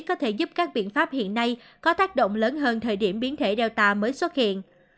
có thể giúp các biện pháp hiện nay có tác động lớn hơn thời điểm biến thể data mới xuất hiện